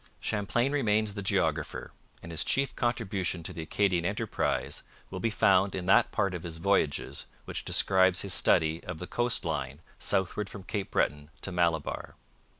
Champlain remains the geographer, and his chief contribution to the Acadian enterprise will be found in that part of his Voyages which describes his study of the coast line southward from Cape Breton to Malabar.